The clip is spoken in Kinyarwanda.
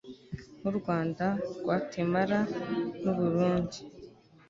nk'u rwanda, gwatemala n'u burundi